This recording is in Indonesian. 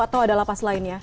atau ada lapas lainnya